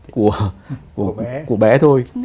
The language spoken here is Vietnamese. của bé thôi